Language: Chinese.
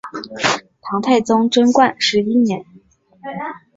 唐太宗贞观十一年。